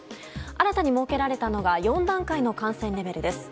新たに設けられたのが４段階の感染レベルです。